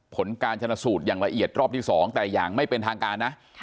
ผลการชนสูตรอย่างละเอียดรอบที่๒แต่อย่างไม่เป็นทางการนะ